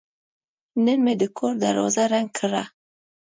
نن مې د کور دروازه رنګ کړه.